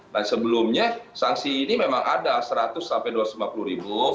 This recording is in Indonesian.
dan sebelumnya sanksi ini memang ada seratus sampai dua ratus lima puluh ribu